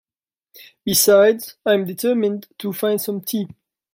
Besides, I'm determined to find some tea.